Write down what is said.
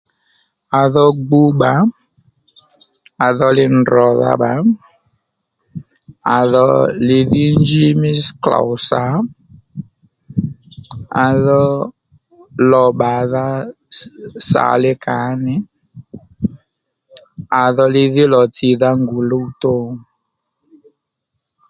À dho gbu bbà à dho li dròdha bba à dho li dhí njí mí klôw sà à dho lò bbàdha sà li kàó nì à dho li dhí lò tsìdha ngù luwtò